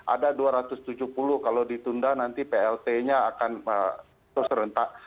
ada dua ratus tujuh puluh kalau ditunda nanti plt nya akan terus rentak